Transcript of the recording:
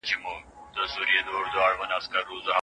قوانین باید د کمزورو خلګو ملاتړ وکړي.